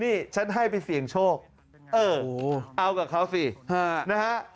นี่ฉันให้ไปเสี่ยงโชคเออเอากับเขาสินะฮะ